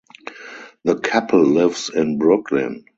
The couple lives in Brooklyn.